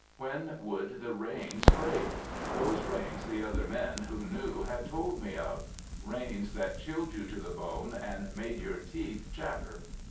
When would the rains break? Those rains the other men who knew had told me of. Rains that chilled you to the bone, and made your teeth chatter.